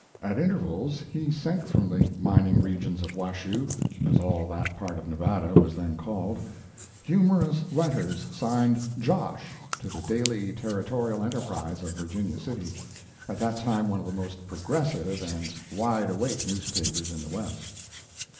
At intervals he sent from the mining regions of "Washoe," as all that part of Nevada was then called, humorous letters signed "Josh" to the 'Daily Territorial Enterprise' of Virginia City, at that time one of the most progressive and wide awake newspapers in the West.